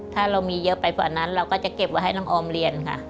ถ้าเรามีเยอะไปกว่านั้นเราก็จะเก็บไว้ให้น้องออมเรียนค่ะ